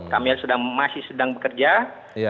kami masih sedang bekerja